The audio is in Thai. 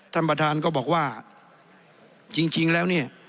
ท่านประธานก็บอกว่าจริงแล้วเนี่ย